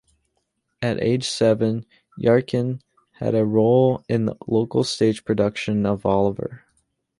At age seven Yarckin had a role in the local stage production of Oliver!